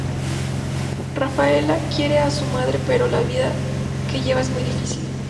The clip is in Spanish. Rafaela quiere a su madre, pero la vida que lleva es muy difícil.